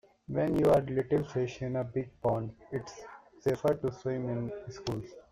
When you're little fish in a big pond, it's safer to swim in schools.